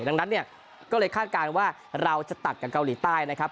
ดังนั้นเนี่ยก็เลยคาดการณ์ว่าเราจะตัดกับเกาหลีใต้นะครับ